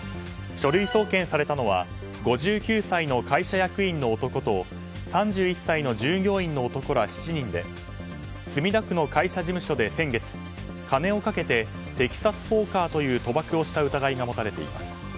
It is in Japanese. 書類送検されたのは５９歳の会社役員の男と３１歳の従業員の男ら７人で墨田区の会社事務所で先月金をかけてテキサスポーカーという賭博をした疑いが持たれています。